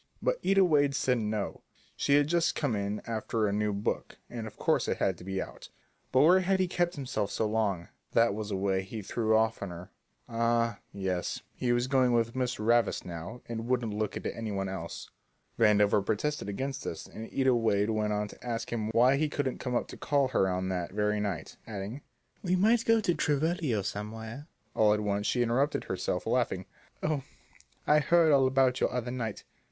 But Ida Wade said no, she had just come in after a new book, and of course it had to be out. But where had he kept himself so long? That was the way he threw off on her; ah, yes, he was going with Miss Ravis now and wouldn't look at any one else. Vandover protested against this, and Ida Wade went on to ask him why he couldn't come up to call on her that very night, adding: "We might go to the Tivoli or somewhere." All at once she interrupted herself, laughing, "Oh, I heard all about you the other night.